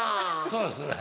そうですね。